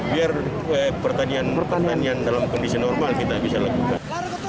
biar pertanian pertanian yang dalam kondisi normal kita bisa lakukan